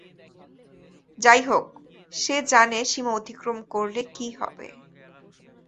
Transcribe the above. যাইহোক, সে জানে সীমা অতিক্রম করলে কী হবে।